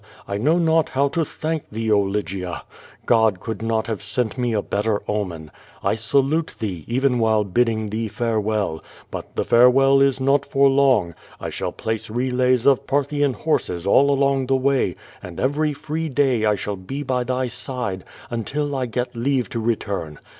I know not how to thank thee, oh, Lygia! God could not have sent me a better omen. I sa lute thee, even while bidding thee farewell, but the farewell is not for long. I shall place relays of Parthian horses all along the way, and every free day I shall be by thy side, until I get leave to return.